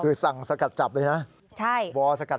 คือสั่งสกัดจับเลยนะ